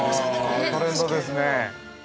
トレンドですね。